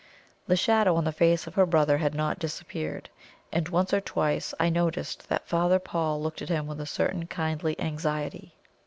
The shadow on the face of her brother had not disappeared, and once or twice I noticed that Father Paul looked at him with a certain kindly anxiety.